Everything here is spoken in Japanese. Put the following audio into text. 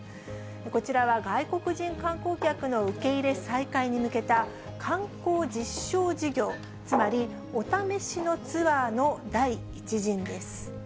こちらは外国人観光客の受け入れ再開に向けた、観光実証事業、つまりお試しのツアーの第１陣です。